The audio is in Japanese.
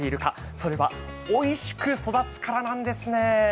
それはおいしく育つからなんですね。